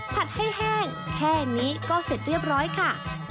ผัดให้แห้งแค่นี้ก็เสร็จเรียบร้อยค่ะ